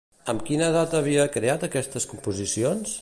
Amb quina edat havia creat aquestes composicions?